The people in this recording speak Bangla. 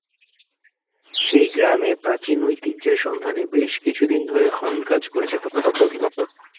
সেই গ্রামে প্রাচীন ঐতিহ্যের সন্ধানে বেশ কিছুদিন ধরে খননকাজ করেছে প্রত্নতত্ত্ব অধিদপ্তর।